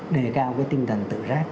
đề cao cái tinh thần tự giác